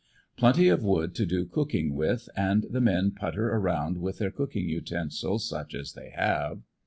Plenty of wood to do cooking with and the men ANDERSONVILLE DIART. Ill putter around with their cooking utensils such as they have.